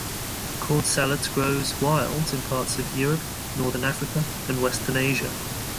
Corn salad grows wild in parts of Europe, northern Africa and western Asia.